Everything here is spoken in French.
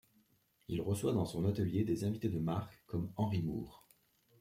Il reçoit dans son atelier des invités de marque comme Henry Moore.